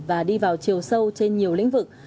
và đi vào chiều sâu trên nhiều lĩnh vực